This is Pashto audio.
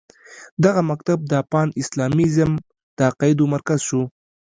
دغه مکتب د پان اسلامیزم د عقایدو مرکز شو.